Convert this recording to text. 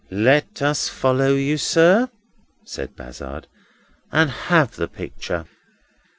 "Let us follow you, sir," said Bazzard, "and have the picture."